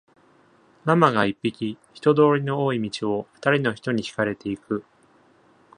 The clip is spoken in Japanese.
ラマが一匹、人通りの多い道を二人の人に引かれていく。